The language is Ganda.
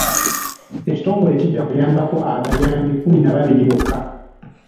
Ekitongole kijja kuyambako abayambi kkuminababiri bokka.